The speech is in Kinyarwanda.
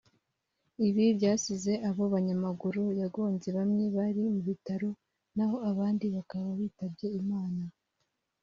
Ibi byasize abo banyamaguru yagonze bamwe bari mu bitaro naho abandi bakaba bitabye Imana